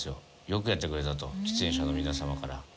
「よくやってくれた」と喫煙者の皆様から。